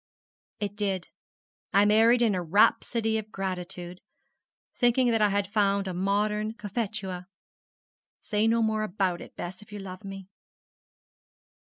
'It did. I married in a rhapsody of gratitude, thinking that I had found a modern Cophetua. Say no more about it, Bess, if you love me!'